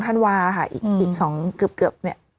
ธันวาค่ะอีก๒เกือบเนี่ย